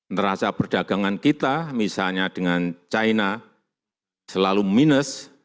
neraca perdagangan kita misalnya dengan china selalu minus